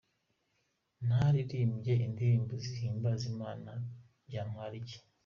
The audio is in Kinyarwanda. Ntaririmbye indirimbo zihimbaza Imana byantwara iki?.